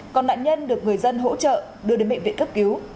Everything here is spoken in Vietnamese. còn nạn nhân được người dân hỗ trợ đưa đến bệnh viện cấp cứu